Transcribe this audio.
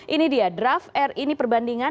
ini dia draft r ini perbandingan